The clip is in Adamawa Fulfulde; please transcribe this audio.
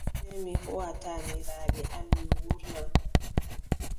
Sey mi hooʼa taaniraaɓe am, mi wuurna.